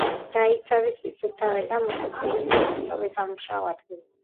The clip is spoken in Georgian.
დაიცავი სისუფთავე და მოწესრიგებული დატოვე სამუშაო ადგილი.